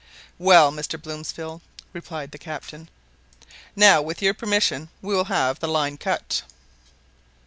"Well, Mr. Bronsfield," replied the captain, "now, with your permission, we will have the line cut."